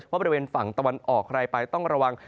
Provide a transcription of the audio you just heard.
บริเวณฝั่งตะวันออกใครไปต้องระวัง